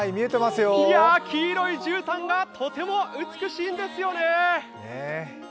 いや、黄色いじゅうたんがとても美しいんですよね。